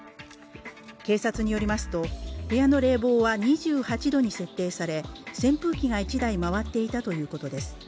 警察によりますと、部屋の冷房は２８度に設定され扇風機が１台回っていたということです。